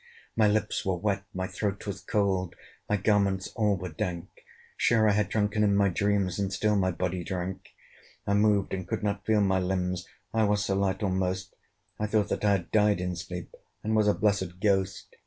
My lips were wet, my throat was cold, My garments all were dank; Sure I had drunken in my dreams, And still my body drank. I moved, and could not feel my limbs: I was so light almost I thought that I had died in sleep, And was a blessed ghost.